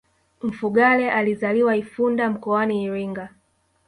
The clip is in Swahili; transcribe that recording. mfugale alizaliwa ifunda mkoani iringa